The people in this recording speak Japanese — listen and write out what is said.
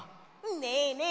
ねえねえ